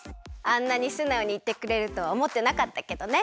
あんなにすなおにいってくれるとはおもってなかったけどね。